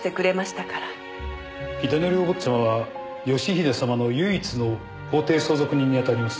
英則お坊ちゃまは義英様の唯一の法定相続人に当たります。